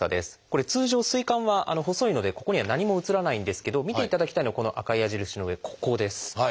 これ通常膵管は細いのでここには何も映らないんですけど見ていただきたいのはこの赤い矢印の上ここです。